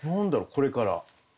これから。